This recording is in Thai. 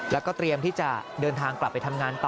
แล้วก็เตรียมที่จะเดินทางกลับไปทำงานต่อ